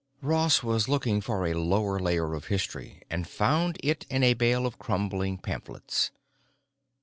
Ross went looking for a lower layer of history and found it in a bale of crumbling pamphlets.